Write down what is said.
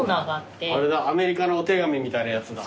アメリカのお手紙みたいなやつだ。